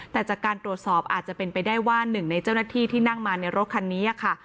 แต่จากการตรวจสอบอาจจะเป็นไปได้ว่าหนึ่งในเจ้าหน้าที่ที่นั่งมาในรถคันนี้ค่ะ